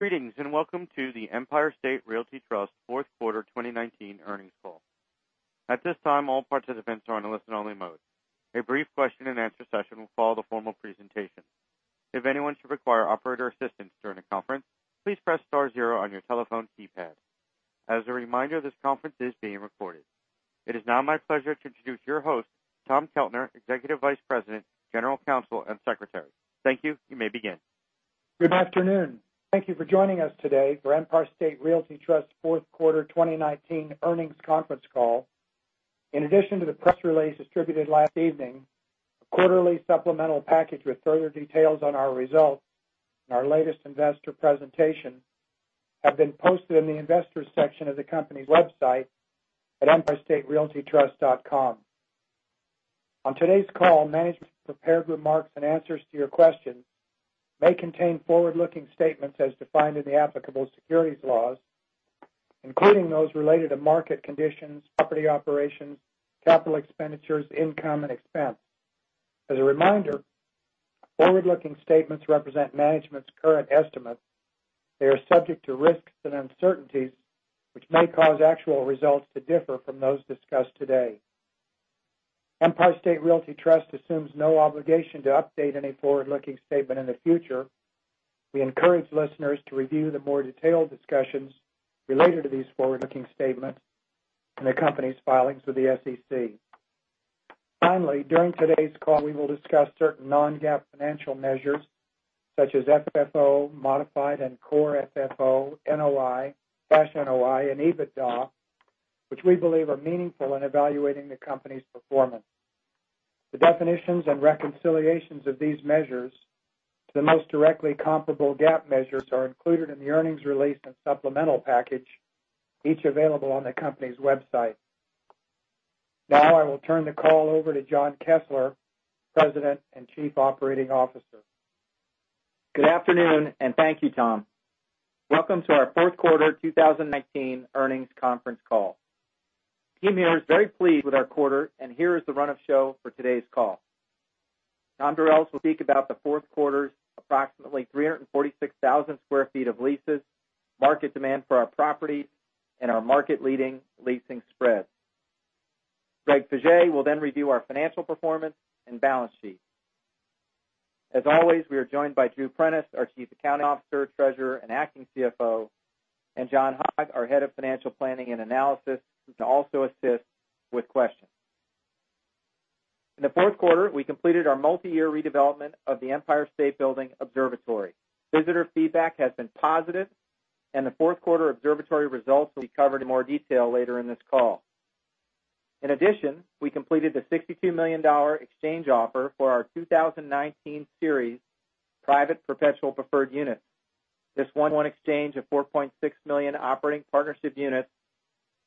Greetings, welcome to the Empire State Realty Trust fourth quarter 2019 earnings call. At this time, all participants are on a listen-only mode. A brief question and answer session will follow the formal presentation. If anyone should require operator assistance during the conference, please press star zero on your telephone keypad. As a reminder, this conference is being recorded. It is now my pleasure to introduce your host, Thomas Keltner, Executive Vice President, General Counsel, and Secretary. Thank you. You may begin. Good afternoon. Thank you for joining us today for Empire State Realty Trust fourth quarter 2019 earnings conference call. In addition to the press release distributed last evening, a quarterly supplemental package with further details on our results and our latest investor presentation have been posted in the Investors section of the company's website at empirestaterealtytrust.com. On today's call, management prepared remarks and answers to your questions may contain forward-looking statements as defined in the applicable securities laws, including those related to market conditions, property operations, capital expenditures, income, and expense. As a reminder, forward-looking statements represent management's current estimates. They are subject to risks and uncertainties, which may cause actual results to differ from those discussed today. Empire State Realty Trust assumes no obligation to update any forward-looking statement in the future. We encourage listeners to review the more detailed discussions related to these forward-looking statements in the company's filings with the SEC. Finally, during today's call, we will discuss certain non-GAAP financial measures such as FFO, modified and Core FFO, NOI, cash NOI, and EBITDA, which we believe are meaningful in evaluating the company's performance. The definitions and reconciliations of these measures to the most directly comparable GAAP measures are included in the earnings release and supplemental package, each available on the company's website. Now I will turn the call over to John Kessler, President and Chief Operating Officer. Good afternoon. Thank you, Thomas. Welcome to our fourth quarter 2019 earnings conference call. The team here is very pleased with our quarter, and here is the run of show for today's call. Thomas Durels will speak about the fourth quarter's approximately 346,000 sq ft of leases, market demand for our properties, and our market leading leasing spreads. Greg Faje will review our financial performance and balance sheet. As always, we are joined by Drew Prentice, our Chief Accounting Officer, Treasurer, and Acting CFO, and John Hogg, our Head of Financial Planning and Analysis, who can also assist with questions. In the fourth quarter, we completed our multi-year redevelopment of the Empire State Building Observatory. Visitor feedback has been positive, and the fourth quarter observatory results will be covered in more detail later in this call. We completed the $62 million exchange offer for our 2019 series private perpetual preferred units. This 1-to-1 exchange of 4.6 million operating partnership units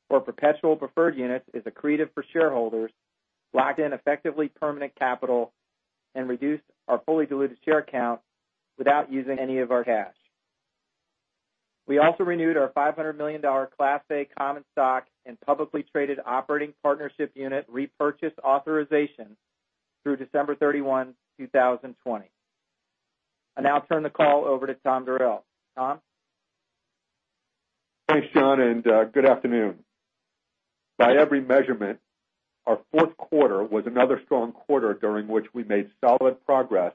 for perpetual preferred units is accretive for shareholders, locked in effectively permanent capital, and reduced our fully diluted share count without using any of our cash. We also renewed our $500 million Class A common stock and publicly traded operating partnership unit repurchase authorization through December 31, 2020. I now turn the call over to Thomas Durels. Thomas? Thanks, John. Good afternoon. By every measurement, our fourth quarter was another strong quarter during which we made solid progress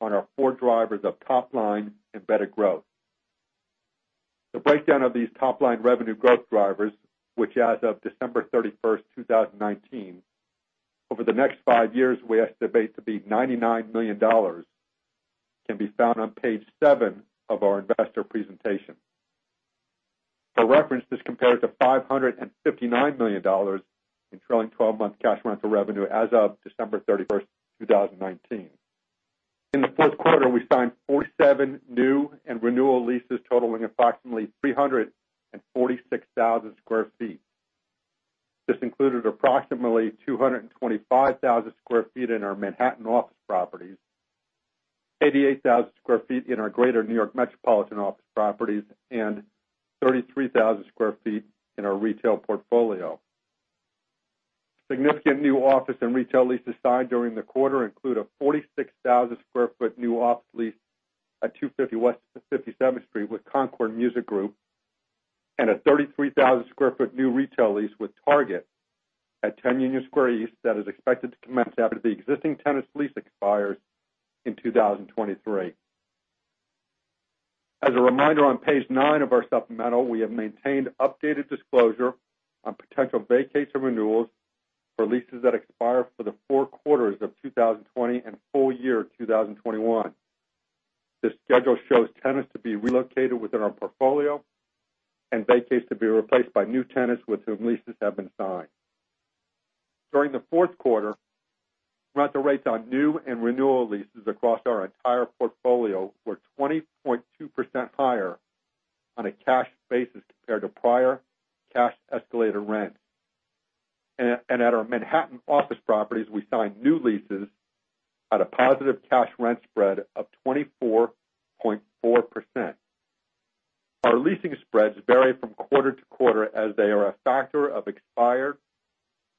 on our four drivers of top-line embedded growth. The breakdown of these top-line revenue growth drivers, which as of December 31, 2019, over the next five years we estimate to be $99 million, can be found on page seven of our investor presentation. For reference, this compares to $559 million in trailing 12-month cash rental revenue as of December 31, 2019. In the fourth quarter, we signed 47 new and renewal leases totaling approximately 346,000 sq ft. This included approximately 225,000 sq ft in our Manhattan office properties, 88,000 sq ft in our greater New York metropolitan office properties, and 33,000 sq ft in our retail portfolio. Significant new office and retail leases signed during the quarter include a 46,000 square foot new office lease at 250 West 57th Street with Concord Music Group and a 33,000 square foot new retail lease with Target at 10 Union Square East that is expected to commence after the existing tenant's lease expires in 2023. As a reminder, on page nine of our supplemental, we have maintained updated disclosure on potential vacates or renewals for leases that expire for the four quarters of 2020 and full year 2021. This schedule shows tenants to be relocated within our portfolio and vacates to be replaced by new tenants with whom leases have been signed. During the fourth quarter, rent the rates on new and renewal leases across our entire portfolio were 20.2% higher on a cash basis compared to prior cash escalated rent. At our Manhattan office properties, we signed new leases at a positive cash rent spread of 24.4%. Our leasing spreads vary from quarter to quarter as they are a factor of expired,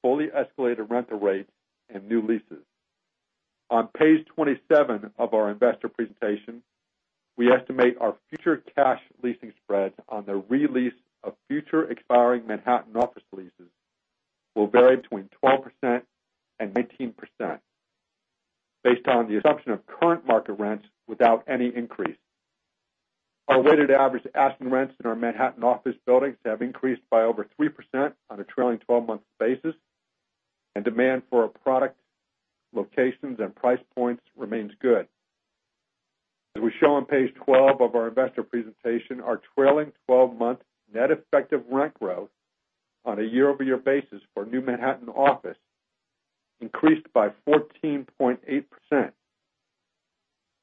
fully escalated rental rates, and new leases. On page 27 of our investor presentation, we estimate our future cash leasing spreads on the re-lease of future expiring Manhattan office leases will vary between 12% and 19%, based on the assumption of current market rents without any increase. Our weighted average asking rents in our Manhattan office buildings have increased by over 3% on a trailing 12-month basis, and demand for our product locations and price points remains good. As we show on page 12 of our investor presentation, our trailing 12-month net effective rent growth on a year-over-year basis for new Manhattan office increased by 14.8%.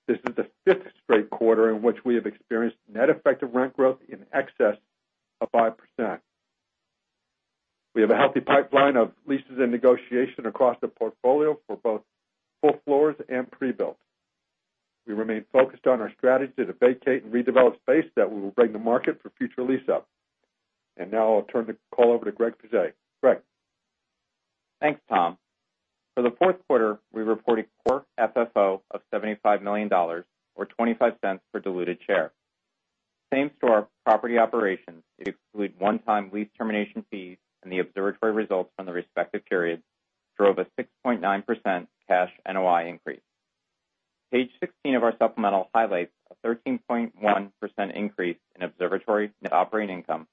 This is the fifth straight quarter in which we have experienced net effective rent growth in excess of 5%. We have a healthy pipeline of leases and negotiation across the portfolio for both full floors and pre-built. We remain focused on our strategy to vacate and redevelop space that we will bring to market for future lease-up. Now I'll turn the call over to Greg Faje. Greg? Thanks, Thomas. For the fourth quarter, we reported Core FFO of $75 million, or $0.25 per diluted share. Same-store property operations, it exclude one-time lease termination fees and the observatory results from the respective periods drove a 6.9% cash NOI increase. Page 16 of our supplemental highlights a 13.1% increase in observatory net operating income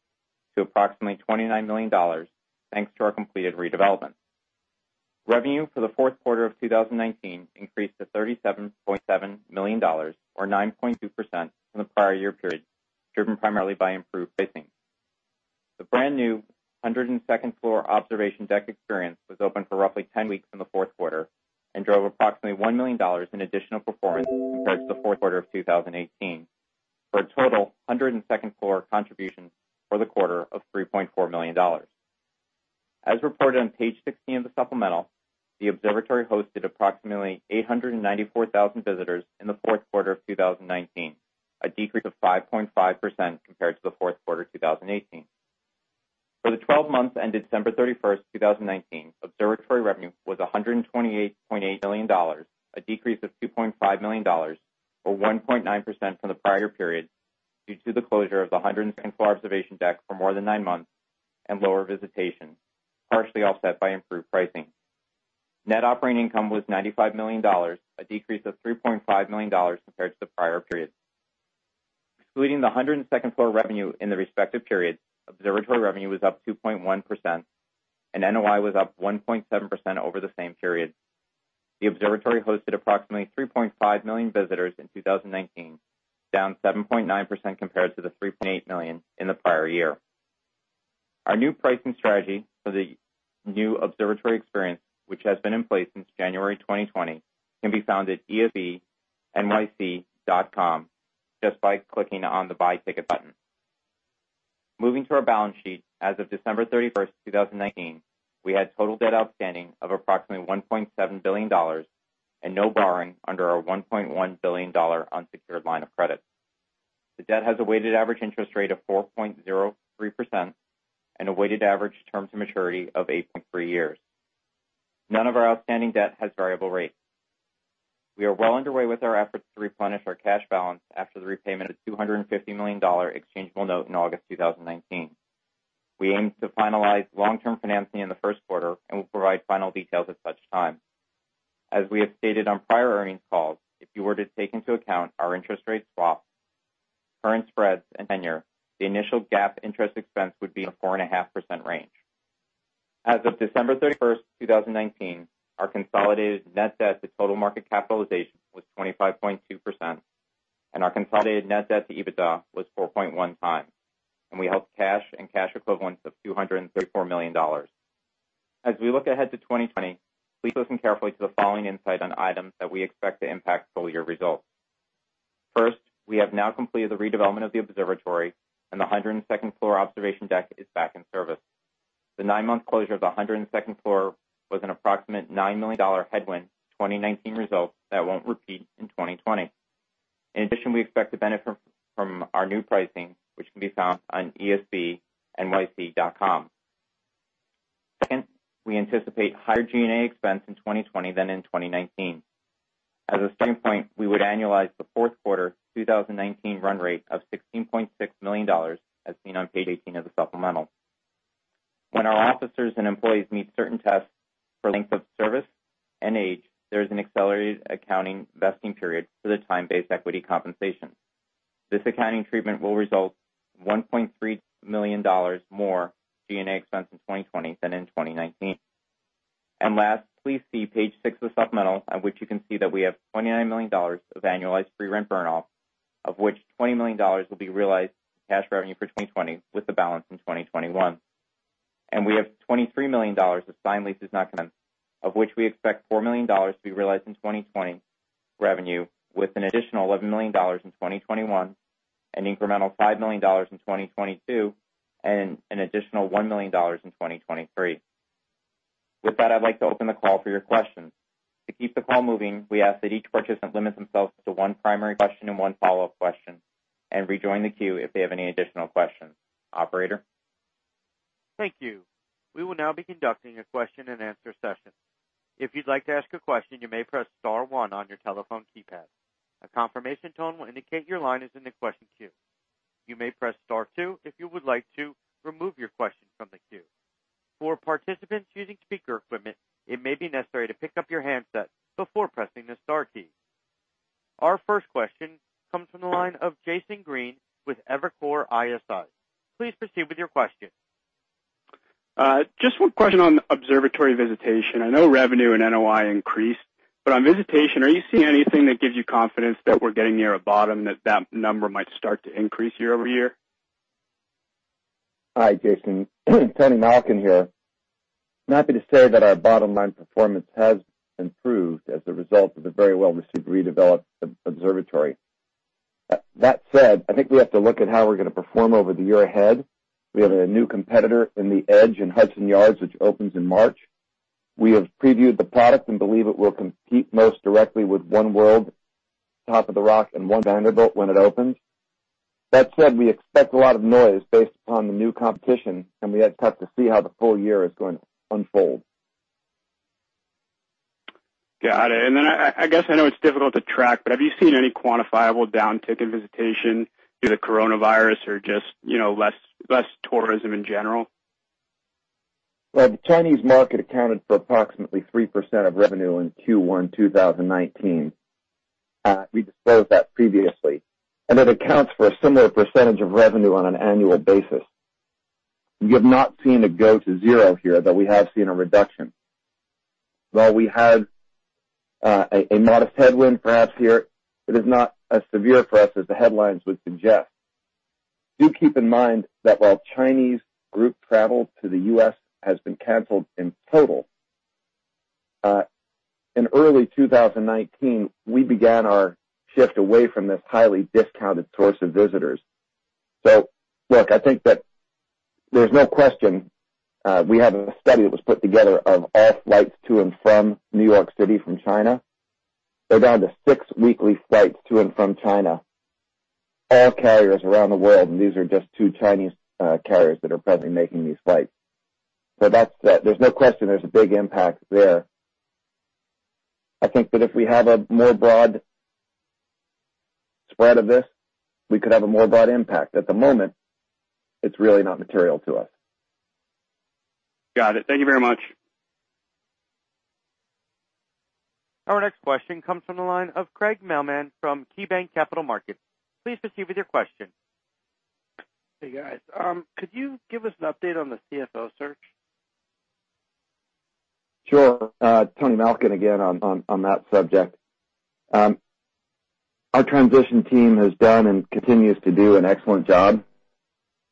to approximately $29 million, thanks to our completed redevelopment. Revenue for the fourth quarter of 2019 increased to $37.7 million, or 9.2% from the prior year period, driven primarily by improved pricing. The brand new 102nd floor observation deck experience was open for roughly 10 weeks in the fourth quarter and drove approximately $1 million in additional performance compared to the fourth quarter of 2018, for a total 102nd floor contribution for the quarter of $3.4 million. As reported on page 16 of the supplemental, the observatory hosted approximately 894,000 visitors in the fourth quarter of 2019, a decrease of 5.5% compared to the fourth quarter 2018. For the 12 months ended December 31st, 2019, observatory revenue was $128.8 million, a decrease of $2.5 million, or 1.9% from the prior period due to the closure of the 102nd floor observation deck for more than nine months and lower visitation, partially offset by improved pricing. Net operating income was $95 million, a decrease of $3.5 million compared to the prior period. Excluding the 102nd floor revenue in the respective periods, observatory revenue was up 2.1%, and NOI was up 1.7% over the same period. The observatory hosted approximately 3.5 million visitors in 2019, down 7.9% compared to the 3.8 million in the prior year. Our new pricing strategy for the new observatory experience, which has been in place since January 2020, can be found at esbnyc.com, just by clicking on the Buy Ticket button. Moving to our balance sheet as of December 31st, 2019, we had total debt outstanding of approximately $1.7 billion and no borrowing under our $1.1 billion unsecured line of credit. The debt has a weighted average interest rate of 4.03% and a weighted average term to maturity of 8.3 years. None of our outstanding debt has variable rates. We are well underway with our efforts to replenish our cash balance after the repayment of $250 million exchangeable note in August 2019. We aim to finalize long-term financing in the first quarter and will provide final details at such time. As we have stated on prior earnings calls, if you were to take into account our interest rate swap, current spreads and tenure, the initial GAAP interest expense would be in the 4.5% range. As of December 31st, 2019, our consolidated net debt to total market capitalization was 25.2%, and our consolidated net debt to EBITDA was 4.1x, and we held cash and cash equivalents of $234 million. As we look ahead to 2020, please listen carefully to the following insight on items that we expect to impact full-year results. First, we have now completed the redevelopment of the observatory, and the 102nd floor observation deck is back in service. The nine-month closure of the 102nd floor was an approximate $9 million headwind 2019 result that won't repeat in 2020. In addition, we expect to benefit from our new pricing, which can be found on esbnyc.com. Second, we anticipate higher G&A expense in 2020 than in 2019. As a starting point, we would annualize the fourth quarter 2019 run rate of $16.6 million, as seen on page 18 of the supplemental. When our officers and employees meet certain tests for length of service and age, there is an accelerated accounting vesting period for the time-based equity compensation. This accounting treatment will result $1.3 million more G&A expense in 2020 than in 2019. Last, please see page six of the supplemental, on which you can see that we have $29 million of annualized free rent burn-off, of which $20 million will be realized as cash revenue for 2020 with the balance in 2021. We have $23 million of signed leases not yet in effect, of which we expect $4 million to be realized in 2020 revenue with an additional $11 million in 2021, an incremental $5 million in 2022, and an additional $1 million in 2023. With that, I'd like to open the call for your questions. To keep the call moving, we ask that each participant limits themselves to one primary question and one follow-up question and rejoin the queue if they have any additional questions. Operator? Thank you. We will now be conducting a question and answer session. If you'd like to ask a question, you may press star one on your telephone keypad. A confirmation tone will indicate your line is in the question queue. You may press star two if you would like to remove your question from the queue. For participants using speaker equipment, it may be necessary to pick up your handset before pressing the star key. Our first question comes from the line of Jason Green with Evercore ISI. Please proceed with your question. Just one question on Observatory visitation. I know revenue and NOI increased, but on visitation, are you seeing anything that gives you confidence that we're getting near a bottom, that that number might start to increase year-over-year? Hi, Jason. Anthony Malkin here. I'm happy to say that our bottom-line performance has improved as a result of the very well-received redeveloped Observatory. That said, I think we have to look at how we're going to perform over the year ahead. We have a new competitor in The Edge in Hudson Yards, which opens in March. We have previewed the product and believe it will compete most directly with One World, Top of the Rock, and SUMMIT One Vanderbilt when it opens. That said, we expect a lot of noise based upon the new competition, and we have yet to see how the full year is going to unfold. Got it. I guess I know it's difficult to track, but have you seen any quantifiable downtick in visitation due to Coronavirus or just less tourism in general? The Chinese market accounted for approximately 3% of revenue in Q1 2019. We disclosed that previously, and it accounts for a similar percentage of revenue on an annual basis. We have not seen it go to zero here, but we have seen a reduction. While we have a modest headwind perhaps here, it is not as severe for us as the headlines would suggest. Do keep in mind that while Chinese group travel to the U.S. has been canceled in total, in early 2019, we began our shift away from this highly discounted source of visitors. Look, I think that there's no question. We have a study that was put together of all flights to and from New York City from China. They're down to six weekly flights to and from China, all carriers around the world, and these are just two Chinese carriers that are presently making these flights. There's no question there's a big impact there. I think that if we have a more broad spread of this, we could have a more broad impact. At the moment, it's really not material to us. Got it. Thank you very much. Our next question comes from the line of Craig Mailman from KeyBanc Capital Markets. Please proceed with your question. Hey, guys. Could you give us an update on the CFO search? Sure. Anthony Malkin again on that subject. Our transition team has done and continues to do an excellent job.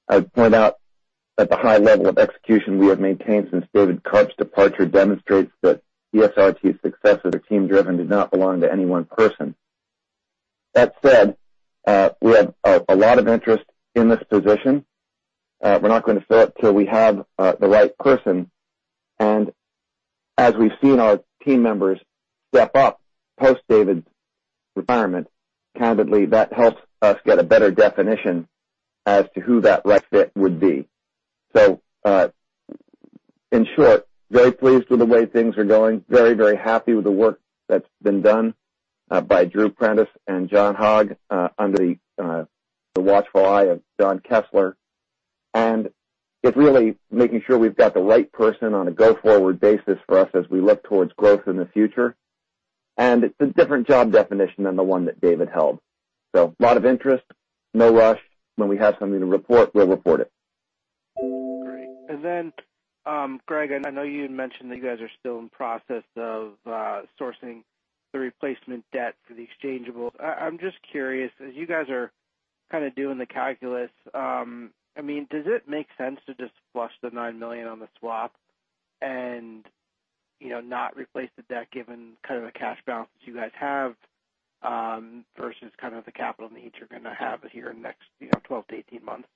I'd point out that the high level of execution we have maintained since David Karp's departure demonstrates that ESRT's success is team-driven, does not belong to any one person. That said, we have a lot of interest in this position. We're not going to fill it till we have the right person, and as we've seen our team members step up post David's retirement, candidly, that helps us get a better definition as to who that right fit would be. In short, very pleased with the way things are going. Very happy with the work that's been done by Drew Prentice and John Hogg under the watchful eye of John Kessler, and it's really making sure we've got the right person on a go-forward basis for us as we look towards growth in the future, and it's a different job definition than the one that David held. A lot of interest, no rush. When we have something to report, we'll report it. Great. Craig, I know you had mentioned that you guys are still in process of sourcing the replacement debt for the exchangeable. I'm just curious, as you guys are kind of doing the calculus, does it make sense to just flush the $9 million on the swap and not replace the debt given the cash balance you guys have, versus the capital needs you're going to have here in the next 12 to 18 months?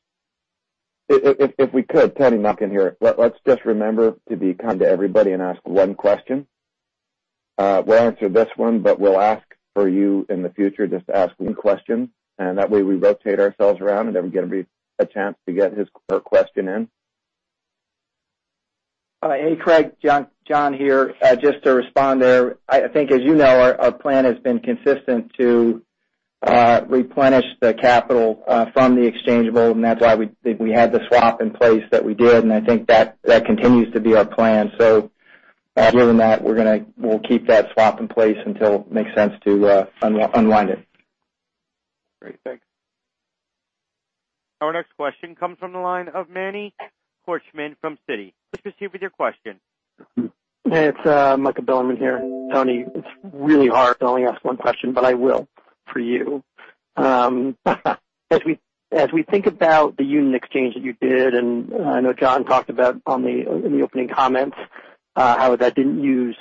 If we could, Anthony Malkin here, let's just remember to be kind to everybody and ask one question. We'll answer this one, but we'll ask for you in the future just to ask one question, and that way we rotate ourselves around and everybody get a chance to get his or her question in. Hey, Craig, John here. Just to respond there. I think, as you know, our plan has been consistent to replenish the capital from the exchangeable. That's why we had the swap in place that we did. I think that continues to be our plan. Given that, we'll keep that swap in place until it makes sense to unwind it. Great. Thanks. Our next question comes from the line of Michael Bilerman from Citi. Please proceed with your question. It's Michael Bilerman here. Anthony, it's really hard to only ask one question. I will for you. As we think about the unit exchange that you did, I know John talked about in the opening comments how that didn't use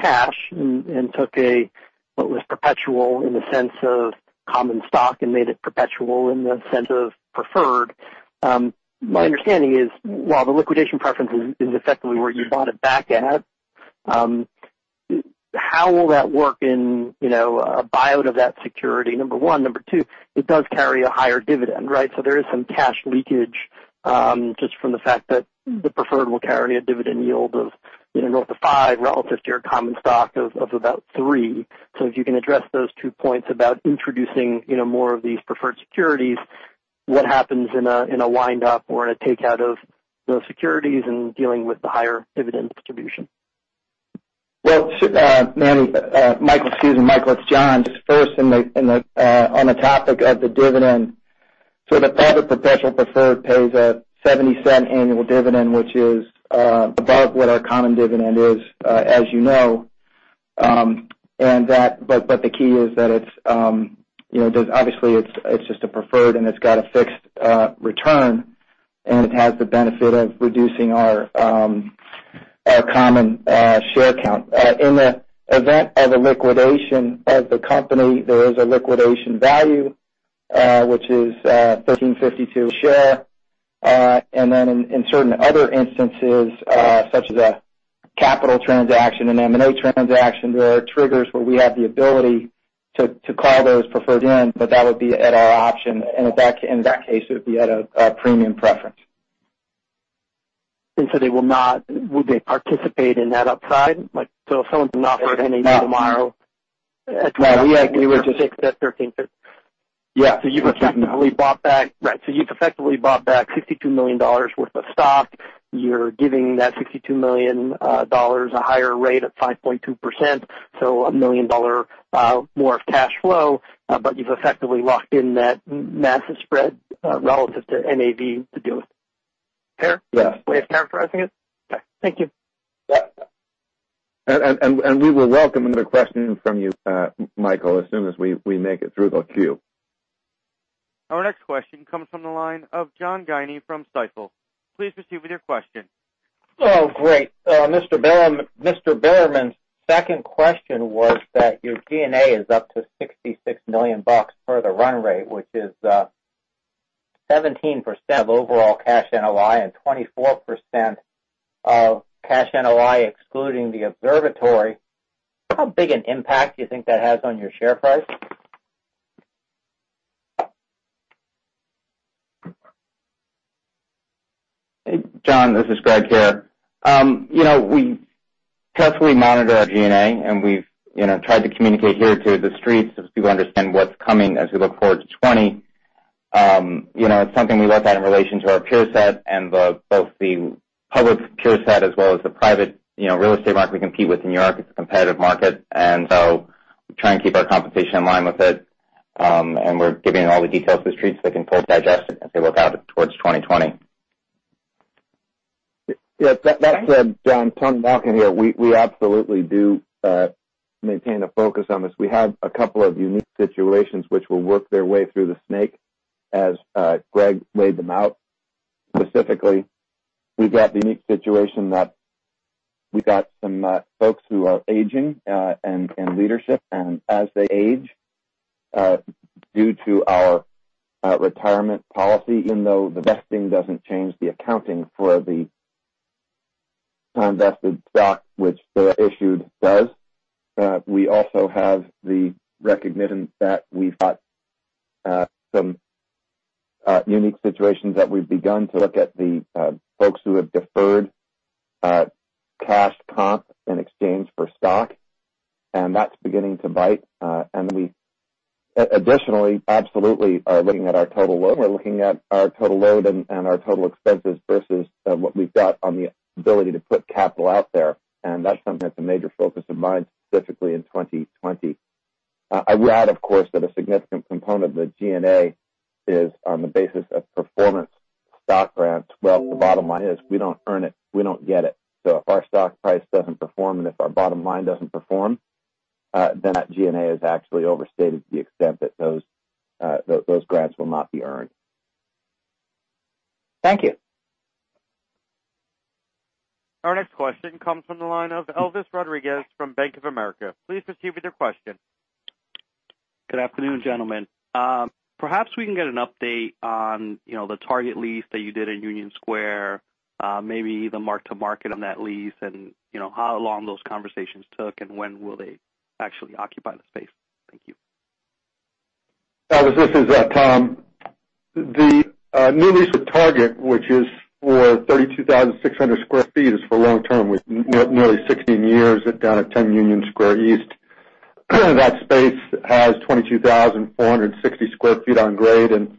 cash and took a, what was perpetual in the sense of common stock and made it perpetual in the sense of preferred. My understanding is while the liquidation preference is effectively where you bought it back at. How will that work in a buy-out of that security, number one? Number two, it does carry a higher dividend, right? There is some cash leakage, just from the fact that the preferred will carry a dividend yield of relative 5%, relative to your common stock of about 3%. If you can address those two points about introducing more of these preferred securities, what happens in a wind up or in a take out of those securities and dealing with the higher dividend distribution? Well, Michael, excuse me, Michael, it's John. Just first on the topic of the dividend. The private professional preferred pays a $0.70 annual dividend, which is above what our common dividend is, as you know. The key is that, obviously, it's just a preferred, and it's got a fixed return, and it has the benefit of reducing our common share count. In the event of a liquidation of the company, there is a liquidation value, which is $13.52 a share. Then in certain other instances, such as a capital transaction, an M&A transaction, there are triggers where we have the ability to call those preferred in, but that would be at our option. In that case, it would be at a premium preference. They will not participate in that upside? If someone's an operator NAV tomorrow. No. They're fixed at $13.50. Yeah. You've effectively bought back $62 million worth of stock. You're giving that $62 million a higher rate of 5.2%, so $1 million more of cash flow. You've effectively locked in that massive spread relative to NAV to do it. Fair? Yeah. Way of characterizing it? Okay. Thank you. Yeah. We will welcome another question from you, Michael, as soon as we make it through the queue. Our next question comes from the line of John Guinee from Stifel. Please proceed with your question. Oh, great. Mr. Bilerman second question was that your G&A is up to $66 million for the run rate, which is 17% of overall cash NOI and 24% of cash NOI excluding the observatory. How big an impact do you think that has on your share price? Hey, John, this is Greg here. We carefully monitor our G&A, and we've tried to communicate here to the streets so people understand what's coming as we look forward to 2020. It's something we look at in relation to our peer set and both the public peer set as well as the private real estate market we compete with in New York. It's a competitive market. We try and keep our competition in line with it. We're giving all the details to the streets so they can fully digest it as they look out towards 2020. Yeah. John, Anthony Malkin here. We absolutely do maintain a focus on this. We have a couple of unique situations which will work their way through the snake, as Greg laid them out. Specifically, we've got the unique situation that we've got some folks who are aging in leadership. As they age, due to our retirement policy, even though the vesting doesn't change the accounting for the unvested stock which they're issued does. We also have the recognition that we've got some unique situations that we've begun to look at the folks who have deferred cash comp in exchange for stock, and that's beginning to bite. We additionally absolutely are looking at our total load. We're looking at our total load and our total expenses versus what we've got on the ability to put capital out there. That's something that's a major focus of mine, specifically in 2020. I would add, of course, that a significant component of the G&A is on the basis of performance stock grants. Well, the bottom line is we don't earn it, we don't get it. If our stock price doesn't perform and if our bottom line doesn't perform, then that G&A is actually overstated to the extent that those grants will not be earned. Thank you. Our next question comes from the line of Elvis Rodriguez from Bank of America. Please proceed with your question. Good afternoon, gentlemen. Perhaps we can get an update on the Target lease that you did in Union Square, maybe the mark to market on that lease, and how long those conversations took, and when will they actually occupy the space. Thank you. Elvis, this is Thomas. The new lease with Target, which is for 32,600 sq ft, is for long-term, nearly 16 years, down at 10 Union Square East. That space has 22,460 sq ft on grade and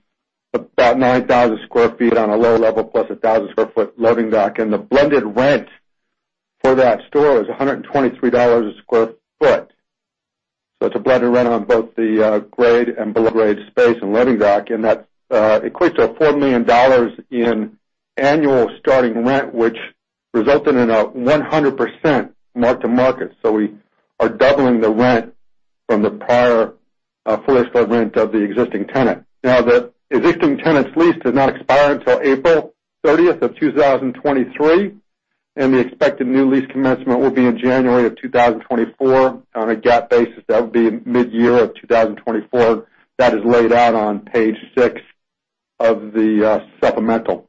about 9,000 sq ft on a low level, plus 1,000 sq ft loading dock. The blended rent for that store is $123 a sq ft. It's a blended rent on both the grade and below-grade space and loading dock, and that equates to $4 million in annual starting rent, which resulted in a 100% mark to market. We are doubling the rent from the prior fullest rent of the existing tenant. Now, the existing tenant's lease does not expire until April 30th of 2023, and the expected new lease commencement will be in January of 2024. On a GAAP basis, that would be mid-year of 2024. That is laid out on page six of the supplemental.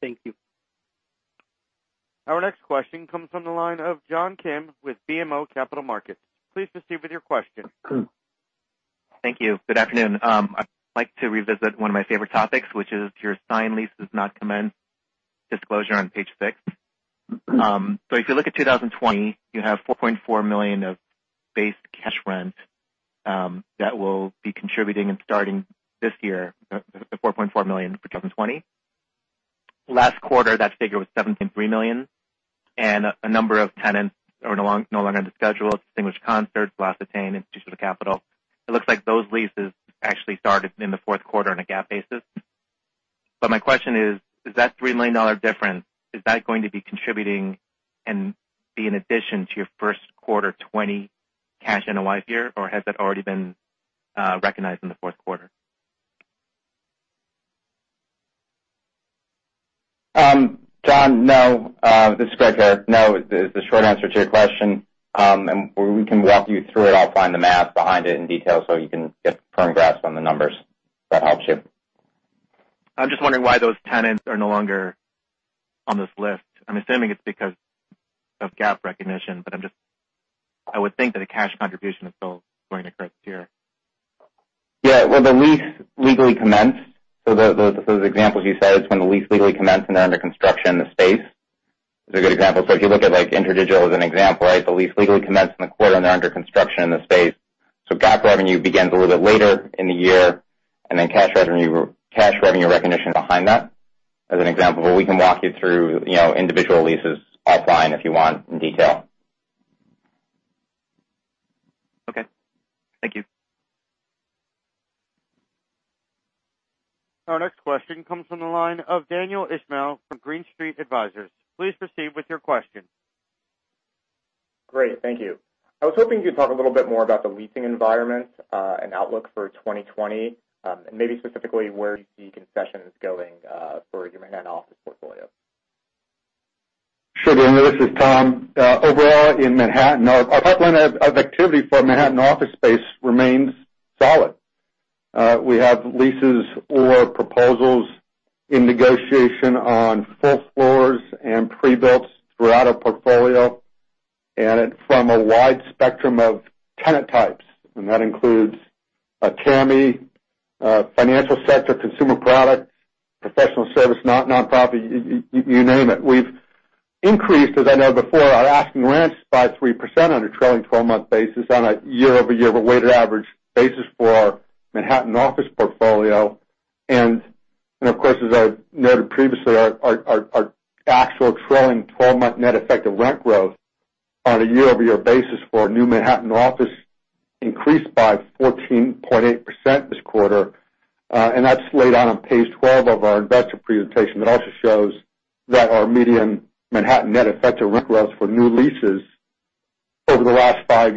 Thank you. Our next question comes from the line of John Kim with BMO Capital Markets. Please proceed with your question. Thank you. Good afternoon. I'd like to revisit one of my favorite topics, which is your signed leases not commenced disclosure on page six. If you look at 2020, you have $4.4 million of base cash rent that will be contributing and starting this year, the $4.4 million for 2020. Last quarter, that figure was $17.3 million, and a number of tenants are no longer under schedule. Distinguished Concert, Glass Attain, Institutional Capital. It looks like those leases actually started in the fourth quarter on a GAAP basis. My question is that $3 million difference, is that going to be contributing and be in addition to your first quarter 2020 cash NOI year, or has that already been recognized in the fourth quarter? John, no. This is Greg, here. No is the short answer to your question. We can walk you through it offline, the math behind it in detail, so you can get firm grasp on the numbers, if that helps you. I'm just wondering why those tenants are no longer on this list. I'm assuming it's because of GAAP recognition, but I would think that a cash contribution is still going to occur this year. The lease legally commenced. Those examples you said, it's when the lease legally commenced, and they're under construction, the space. It's a good example. If you look at InterDigital as an example, the lease legally commenced in the quarter, and they're under construction in the space. GAAP revenue begins a little bit later in the year, and then cash revenue recognition behind that, as an example. We can walk you through individual leases offline if you want, in detail. Okay. Thank you. Our next question comes from the line of Daniel Ismail from Green Street Advisors. Please proceed with your question. Great. Thank you. I was hoping you'd talk a little bit more about the leasing environment, and outlook for 2020, and maybe specifically where you see concessions going for your Manhattan office portfolio. Sure, Daniel. This is Tom. Overall in Manhattan, our pipeline of activity for Manhattan office space remains solid. We have leases or proposals in negotiation on full floors and pre-builts throughout our portfolio, from a wide spectrum of tenant types. That includes a TAMI, financial sector, consumer product, professional service, non-profit, you name it. We've increased, as I noted before, our asking rents by 3% on a trailing 12-month basis on a year-over-year weighted average basis for our Manhattan office portfolio. Of course, as I noted previously, our actual trailing 12-month net effective rent growth on a year-over-year basis for our new Manhattan office increased by 14.8% this quarter. That's laid out on page 12 of our investor presentation that also shows that our median Manhattan net effective rent growth for new leases over the last five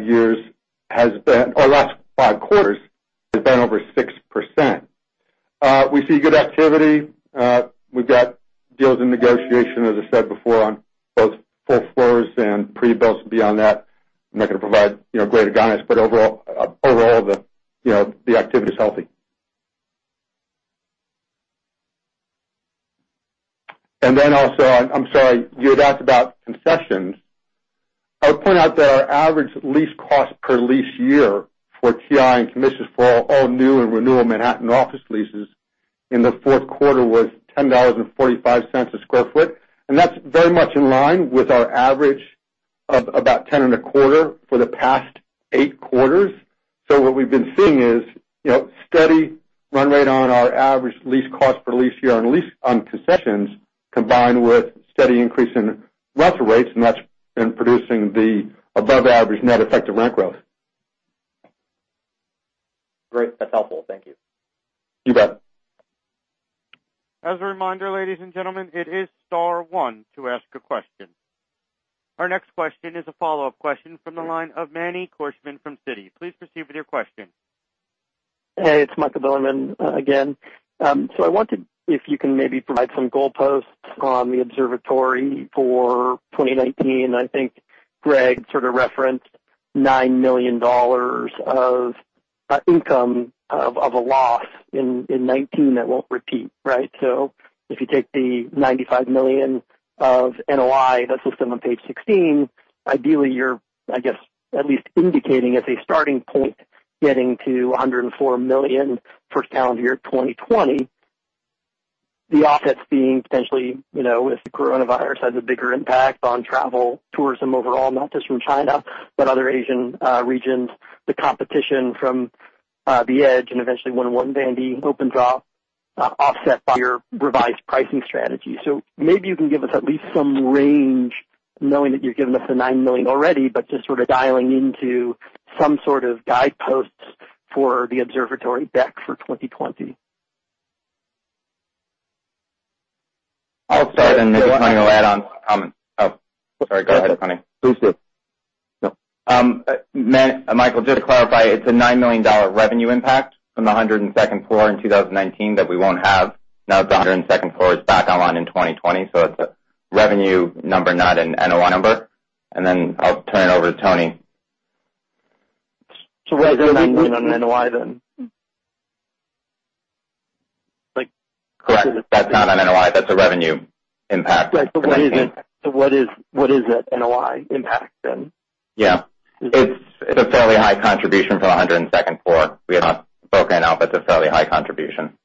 quarters has been over 6%. We see good activity. We've got deals in negotiation, as I said before, on both full floors and pre-builts. Beyond that, I'm not going to provide greater guidance, but overall, the activity's healthy. I'm sorry, your thoughts about concessions. I would point out that our average lease cost per lease year for TI and commissions for all new and renewal Manhattan office leases in the fourth quarter was $10.45 a square foot. That's very much in line with our average of about ten and a quarter for the past eight quarters. What we've been seeing is steady run rate on our average lease cost per lease year on concessions, combined with steady increase in rental rates, and that's been producing the above-average net effective rent growth. Great. That's helpful. Thank you. You bet. As a reminder, ladies and gentlemen, it is star one to ask a question. Our next question is a follow-up question from the line of Michael Bilerman from Citi. Please proceed with your question. Hey, it's Michael Bilerman again. I wondered if you can maybe provide some goalposts on the Observatory for 2019. I think Greg Faje sort of referenced $9 million of income of a loss in 2019 that won't repeat, right? If you take the $95 million of NOI that's listed on page 16, ideally you're, I guess, at least indicating as a starting point getting to $104 million first calendar year 2020. The offsets being potentially, if the coronavirus has a bigger impact on travel, tourism overall, not just from China, but other Asian regions, the competition from The Edge and eventually One Vanderbilt open draw offset by your revised pricing strategy. Maybe you can give us at least some range knowing that you're giving us the $9 million already, but just sort of dialing into some sort of guideposts for the Observatory deck for 2020. I'll start and then Anthony will add on comments. Oh, sorry. Go ahead, Anthony. Please do. Michael, just to clarify, it's a $9 million revenue impact from the 102nd floor in 2019 that we won't have. The 102nd floor is back online in 2020. It's a revenue number, not an NOI number. I'll turn it over to Tony. Why is it not going on NOI then? Correct. That's not an NOI, that's a revenue impact. Right. What is that NOI impact then? It's a fairly high contribution from 102nd floor. We have not broken it out, but it's a fairly high contribution.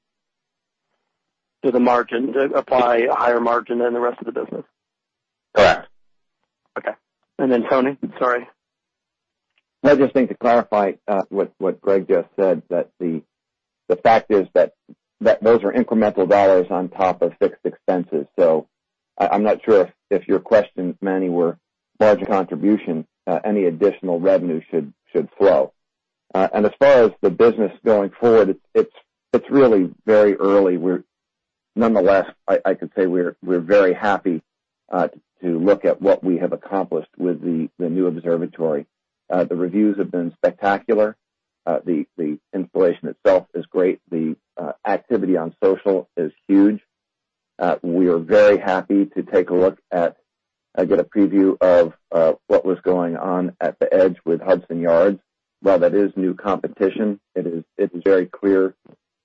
To the margin, to apply a higher margin than the rest of the business? Correct. Okay. Anthony, sorry. I just think to clarify what Greg just said, that the fact is that those are incremental dollars on top of fixed expenses. I'm not sure if your question, Michael, were margin contribution, any additional revenue should flow. As far as the business going forward, it's really very early. Nonetheless, I could say we're very happy, to look at what we have accomplished with the new observatory. The reviews have been spectacular. The installation itself is great. The activity on social is huge. We are very happy to take a look at, get a preview of what was going on at The Edge with Hudson Yards. While that is new competition, it is very clear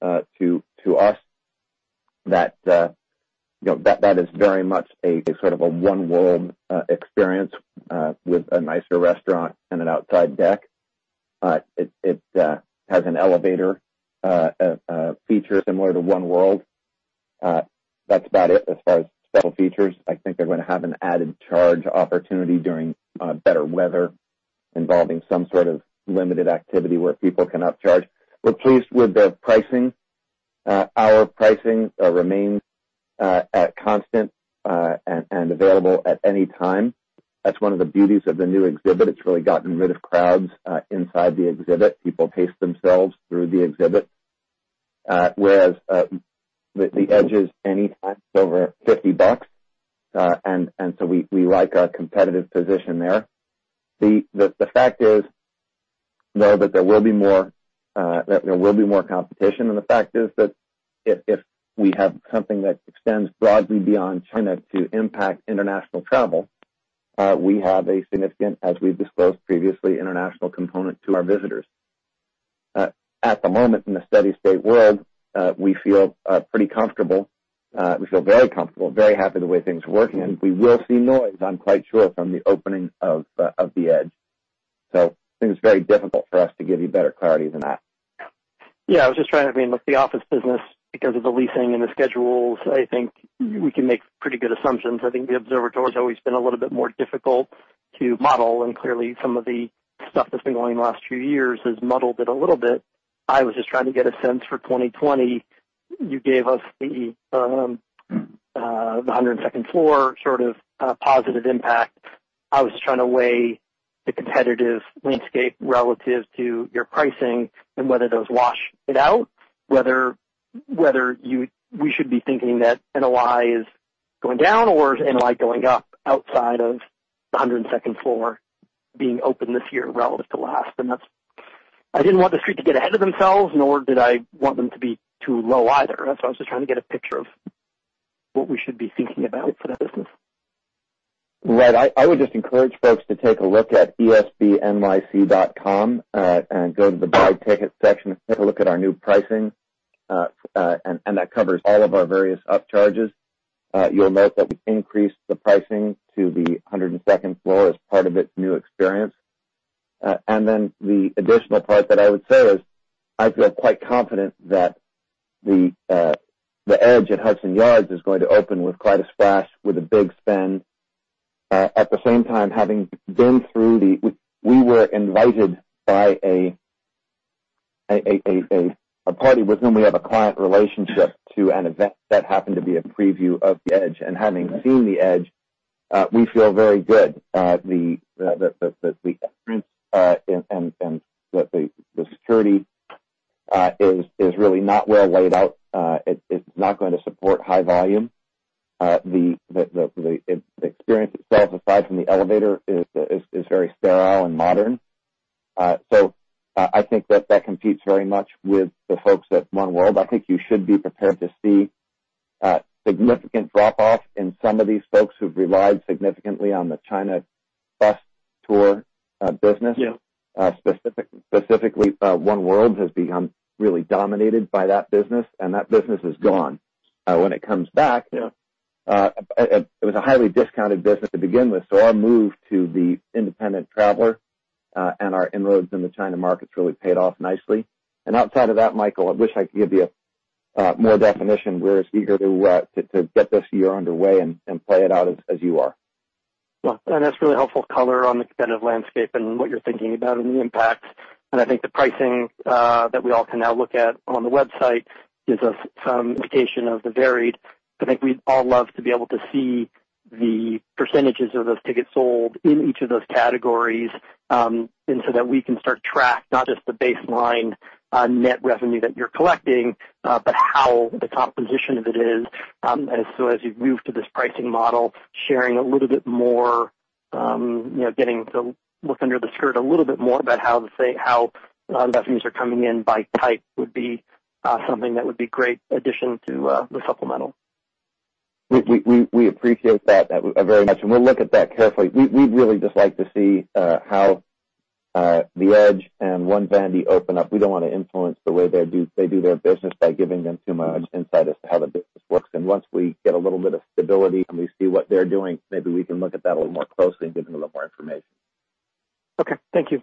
to us that is very much a sort of a One World experience, with a nicer restaurant and an outside deck. It has an elevator feature similar to One World. That's about it as far as special features. I think they're going to have an added charge opportunity during better weather involving some sort of limited activity where people can upcharge. We're pleased with the pricing. Our pricing remains at constant and available at any time. That's one of the beauties of the new exhibit. It's really gotten rid of crowds inside the exhibit. People pace themselves through the exhibit, whereas The Edge is anytime it's over $50. We like our competitive position there. The fact is, though, that there will be more competition, and the fact is that if we have something that extends broadly beyond China to impact international travel, we have a significant, as we've disclosed previously, international component to our visitors. At the moment, in a steady state world, we feel pretty comfortable. We feel very comfortable, very happy the way things are working, and we will see noise, I'm quite sure, from the opening of The Edge. I think it's very difficult for us to give you better clarity than that. Yeah, with the office business, because of the leasing and the schedules, I think we can make pretty good assumptions. I think the observatory has always been a little bit more difficult to model, and clearly some of the stuff that's been going on the last few years has muddled it a little bit. I was just trying to get a sense for 2020. You gave us the 102nd floor sort of positive impact. I was just trying to weigh the competitive landscape relative to your pricing and whether those wash it out, whether we should be thinking that NOI is going down or is NOI going up outside of the 102nd floor being open this year relative to last. I didn't want the Street to get ahead of themselves, nor did I want them to be too low either. That's why I was just trying to get a picture of what we should be thinking about for that business. Right. I would just encourage folks to take a look at esbnyc.com, and go to the buy ticket section and take a look at our new pricing, and that covers all of our various upcharges. You'll note that we increased the pricing to the 102nd floor as part of its new experience. The additional part that I would say is I feel quite confident that The Edge at Hudson Yards is going to open with quite a splash with a big spend. At the same time, we were invited by a party with whom we have a client relationship to an event that happened to be a preview of The Edge. Having seen The Edge, we feel very good. The experience and the security is really not well laid out. It's not going to support high volume. The experience itself, aside from the elevator, is very sterile and modern. I think that competes very much with the folks at One World. I think you should be prepared to see a significant drop-off in some of these folks who've relied significantly on the China bus tour business. Yeah. Specifically, One World has become really dominated by that business, and that business is gone. When it comes back. Yeah It was a highly discounted business to begin with. Our move to the independent traveler, and our inroads in the China markets really paid off nicely. Outside of that, Michael, I wish I could give you more definition. We're as eager to get this year underway and play it out as you are. That's really helpful color on the competitive landscape and what you're thinking about and the impacts. I think the pricing that we all can now look at on the website gives us some indication of the varied. I think we'd all love to be able to see the percentages of those tickets sold in each of those categories, and so that we can start to track not just the baseline net revenue that you're collecting, but how the composition of it is. As you move to this pricing model, sharing a little bit more, getting to look under the skirt a little bit more about how revenues are coming in by type would be something that would be great addition to the supplemental. We appreciate that very much, and we'll look at that carefully. We'd really just like to see how The Edge and One Vanderbilt open up. We don't want to influence the way they do their business by giving them too much insight as to how the business works. Once we get a little bit of stability and we see what they're doing, maybe we can look at that a little more closely and give you a little more information. Okay. Thank you.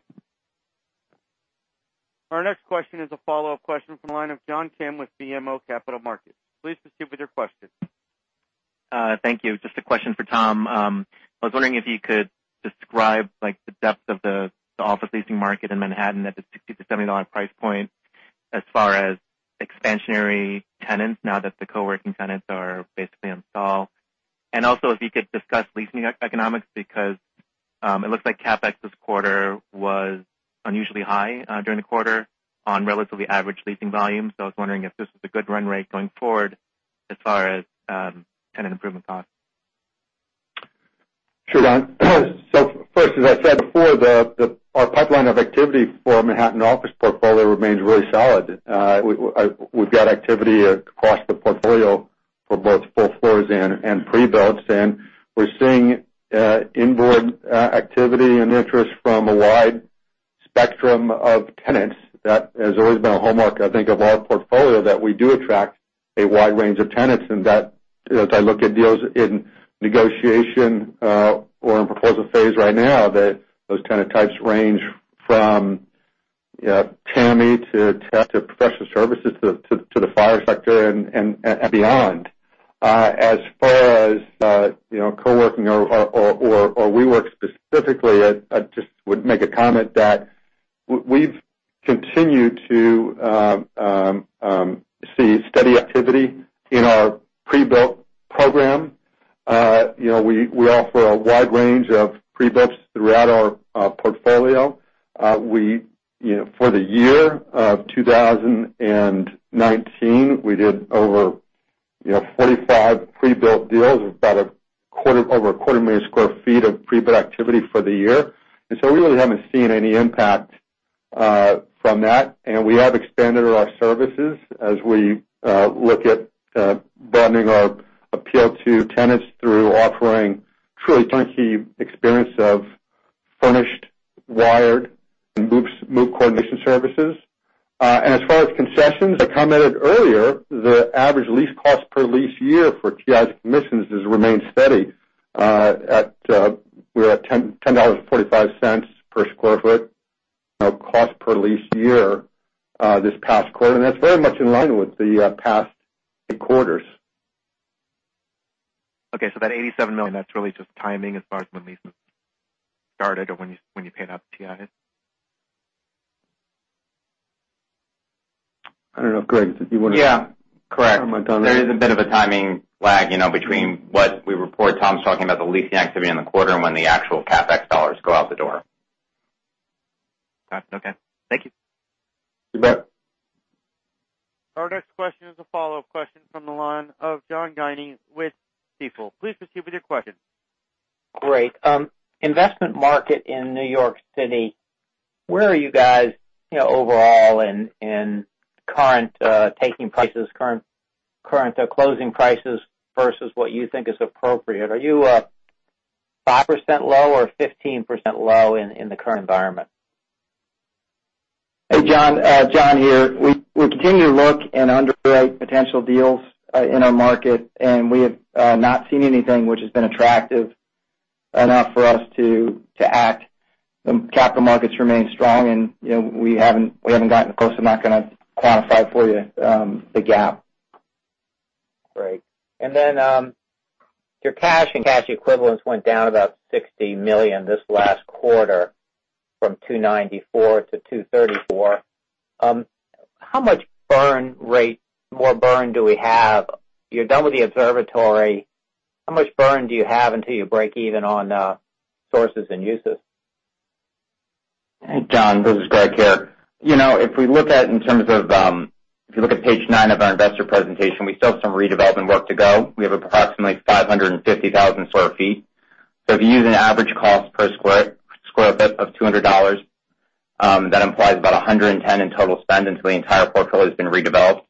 Our next question is a follow-up question from the line of John Kim with BMO Capital Markets. Please proceed with your question. Thank you. Just a question for Tom. I was wondering if you could describe the depth of the office leasing market in Manhattan at the $60-$70 price point as far as expansionary tenants, now that the co-working tenants are basically on stall. Also, if you could discuss leasing economics, because it looks like CapEx this quarter was unusually high during the quarter on relatively average leasing volumes. I was wondering if this was a good run rate going forward as far as tenant improvement costs. Sure, John. First, as I said before, our pipeline of activity for Manhattan office portfolio remains really solid. We've got activity across the portfolio for both full floors and pre-builts, and we're seeing inboard activity and interest from a wide spectrum of tenants. That has always been a hallmark, I think, of our portfolio, that we do attract a wide range of tenants. As I look at deals in negotiation or in proposal phase right now, those tenant types range from tech to professional services to the FIRE sector and beyond. As far as co-working or WeWork specifically, I just would make a comment that we've continued to see steady activity in our pre-built program. We offer a wide range of pre-builts throughout our portfolio. For the year of 2019, we did over 45 pre-built deals. We've got over a quarter million sq ft of pre-built activity for the year. We really haven't seen any impact from that. We have expanded our services as we look at broadening our appeal to tenants through offering truly turnkey experience of furnished, wired, and move coordination services. As far as concessions, I commented earlier, the average lease cost per lease year for TIs and commissions has remained steady. We're at $10.45 per sq ft cost per lease year this past quarter. That's very much in line with the past eight quarters. Okay. That $87 million, that's really just timing as far as when leases started or when you paid out TIs. I don't know if, Greg, if you want to. Yeah. Correct. comment on that. There is a bit of a timing lag between what we report Tom's talking about the leasing activity in the quarter and when the actual CapEx dollars go out the door. Got it. Okay. Thank you. You bet. Our next question is a follow-up question from the line of John Guinee with Stifel. Please proceed with your question. Great. Investment market in New York City, where are you guys overall in current taking prices, current closing prices versus what you think is appropriate? Are you 5% low or 15% low in the current environment? Hey, John. John here. We continue to look and underwrite potential deals in our market, and we have not seen anything which has been attractive enough for us to act. The capital markets remain strong, and we haven't gotten close. I'm not going to quantify for you the gap. Great. Your cash and cash equivalents went down about $60 million this last quarter from $294 to $234. How much more burn do we have? You're done with the observatory. How much burn do you have until you break even on sources and uses? Hey, John Guinee, this is Greg Faje. If you look at page nine of our investor presentation, we still have some redevelopment work to go. We have approximately 550,000 sq ft. If you use an average cost per square foot of $200, that implies about $110 in total spend until the entire portfolio has been redeveloped.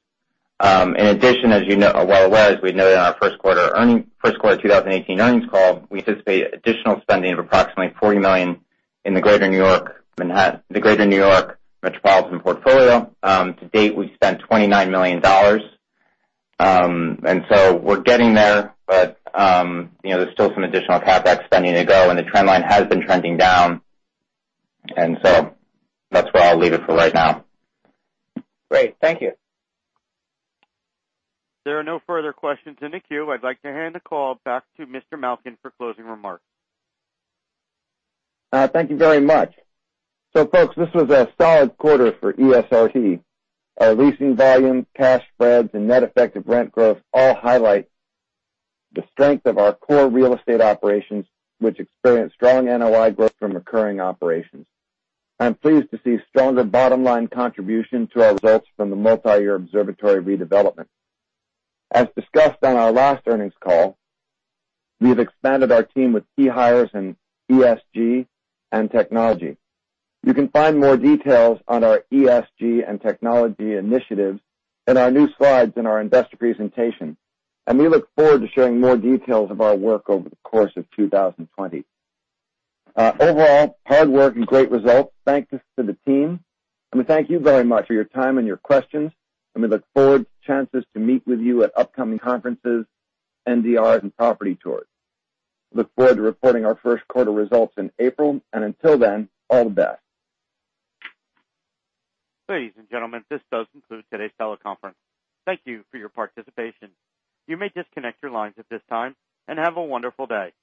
In addition, as you are well aware, as we noted in our first quarter 2018 earnings call, we anticipate additional spending of approximately $40 million in the greater New York metropolitan portfolio. To date, we've spent $29 million. We're getting there, but there's still some additional CapEx spending to go, and the trend line has been trending down. That's where I'll leave it for right now. Great. Thank you. There are no further questions in the queue. I'd like to hand the call back to Mr. Malkin for closing remarks. Thank you very much. Folks, this was a solid quarter for ESRT. Our leasing volume, cash spreads, and net effect of rent growth all highlight the strength of our core real estate operations, which experienced strong NOI growth from recurring operations. I'm pleased to see stronger bottom-line contribution to our results from the multi-year observatory redevelopment. As discussed on our last earnings call, we've expanded our team with key hires in ESG and technology. You can find more details on our ESG and technology initiatives in our new slides in our investor presentation. We look forward to sharing more details of our work over the course of 2020. Overall, hard work and great results. Thanks to the team. We thank you very much for your time and your questions, and we look forward to chances to meet with you at upcoming conferences, NDRs, and property tours. Look forward to reporting our first quarter results in April, and until then, all the best. Ladies and gentlemen, this does conclude today's teleconference. Thank you for your participation. You may disconnect your lines at this time, and have a wonderful day.